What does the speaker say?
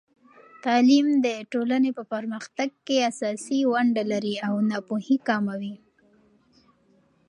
تعلیم د ټولنې په پرمختګ کې اساسي ونډه لري او ناپوهي کموي.